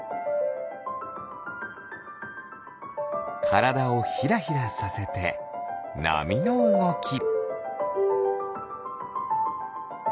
からだをヒラヒラさせてなみのうごき。